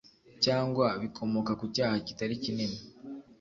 Cyangwa bikomoka ku cyaha kitari kinini